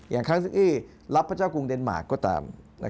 อย่ารับพเจ้าคงเดนมารก็ตาม